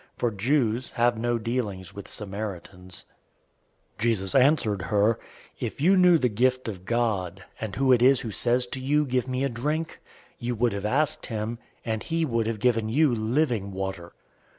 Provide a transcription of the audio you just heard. (For Jews have no dealings with Samaritans.) 004:010 Jesus answered her, "If you knew the gift of God, and who it is who says to you, 'Give me a drink,' you would have asked him, and he would have given you living water."